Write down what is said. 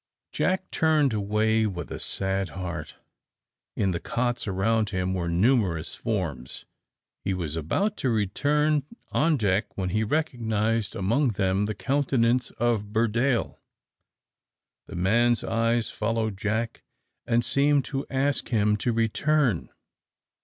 Jack turned away with a sad heart. In the cots around were numerous forms. He was about to return on deck, when he recognised among them the countenance of Burdale. The man's eyes followed Jack, and seemed to ask him to return.